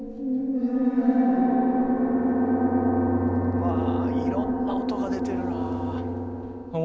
わあいろんな音が出てるな。